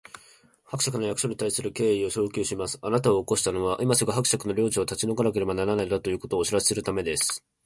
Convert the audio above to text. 「伯爵の役所に対する敬意を要求します！あなたを起こしたのは、今すぐ伯爵の領地を立ち退かなければならないのだ、ということをお知らせするためです」